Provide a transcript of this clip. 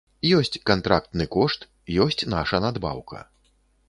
Ёсць кантрактны кошт, ёсць наша надбаўка.